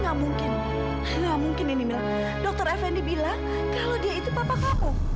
nggak mungkin nggak mungkin ini mila dokter effendi bilang kalau dia itu papa kamu